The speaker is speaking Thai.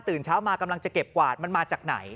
เช้ามากำลังจะเก็บกวาดมันมาจากไหน